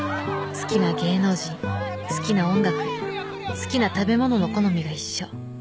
好きな芸能人好きな音楽好きな食べ物の好みが一緒。